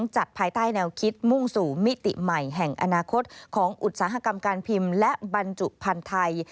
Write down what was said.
จัดภายใต้แนวคิดมุ่งสู่มิติใหม่แห่งอนาคตของอุตสาหกรรมการพิมพ์และบรรจุพันธุ์ไทย